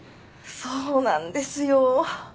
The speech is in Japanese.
そうなんですよ